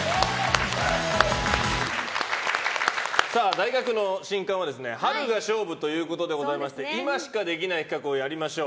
大学の新勧は春が勝負ということでございまして今しかできない企画をやりましょう。